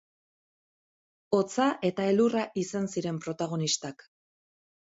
Hotza eta elurra izan ziren protagonistak.